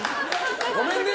ごめんね！